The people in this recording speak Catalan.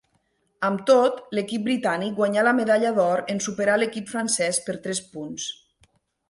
Amb tot, l'equip britànic guanyà la medalla d'or en superar l'equip francès per tres punts.